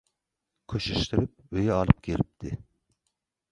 köşeşdirip öýe alyp gelipdi.